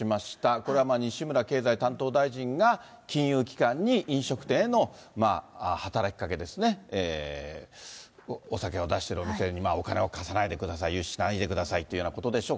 これは西村経済担当大臣が、金融機関に飲食店への働きかけですね、お酒を出してるお店にお金を貸さないでください、融資しないでくださいっていうようなことでしょう。